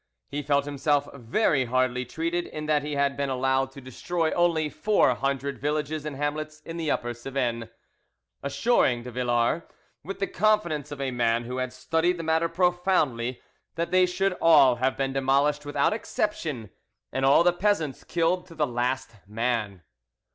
He felt himself very hardly treated in that he had been allowed to destroy only four hundred villages and hamlets in the Upper Cevennes,—assuring de Villars with the confidence of a man who had studied the matter profoundly, that they should all have been demolished without exception, and all the peasants killed to the last man.